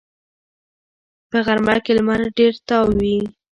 په غرمه کې لمر ډېر تاو وي